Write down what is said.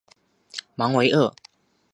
芒维厄。